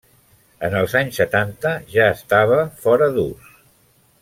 En els anys setanta ja estava fora d'ús.